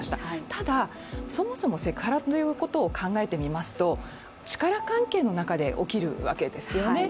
ただ、そもそもセクハラということを考えてみますと、力関係の中で起きるわけですよね。